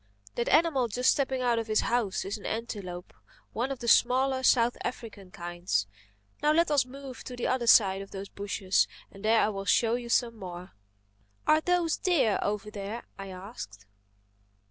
That animal just stepping out of his house is an antelope, one of the smaller South African kinds. Now let us move to the other side of those bushes there and I will show you some more." "Are those deer over there?" I asked.